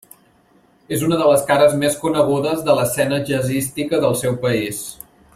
És una de les cares més conegudes de l'escena jazzística del seu país.